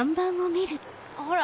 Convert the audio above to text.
ほら！